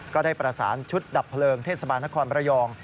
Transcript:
ก็ได้ประสานชุดดับเพลิงเทศบาลนครประยอง